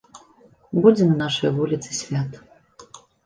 Будзе на нашай вуліцы свята.